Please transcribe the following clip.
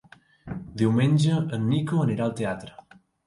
Diumenge en Nico anirà al teatre.